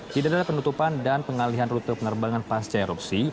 tidak ada penutupan dan pengalihan rute penerbangan pasca erupsi